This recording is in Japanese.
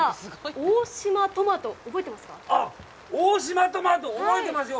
大島トマト、覚えてますよ！